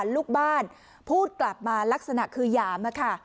ลูกบ้านพูดกลับมาลักษณะคือหยามค่ะ